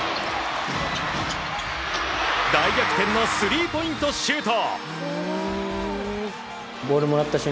大逆転のスリーポイントシュート！